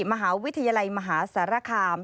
มหาวิทยาลัยมหาสารคาม